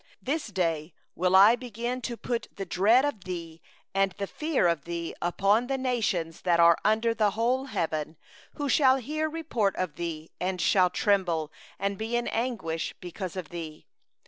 25This day will I begin to put the dread of thee and the fear of thee upon the peoples that are under the whole heaven, who, when they hear the report of thee, shall tremble, and be in anguish because of thee.